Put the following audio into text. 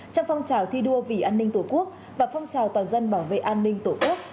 trong phong trào thi đua vì an ninh tổ quốc và phong trào toàn dân bảo vệ an ninh tổ quốc